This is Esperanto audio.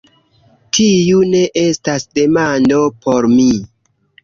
Tiu ne estas demando por mi.